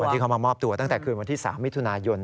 ที่เขามามอบตัวตั้งแต่คืนวันที่๓มิถุนายน